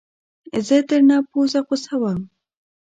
زه درنه پوزه غوڅوم